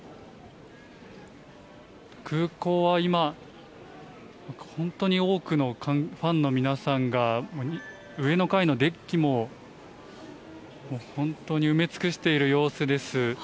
空港は今、本当に多くのファンの皆さんが、上の階のデッキも、本当に埋め尽くしている様子です。